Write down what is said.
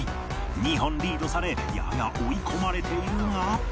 ２本リードされやや追い込まれているが